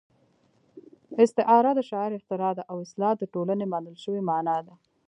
استعاره د شاعر اختراع ده او اصطلاح د ټولنې منل شوې مانا ده